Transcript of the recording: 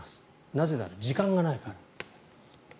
なぜなら時間がないから。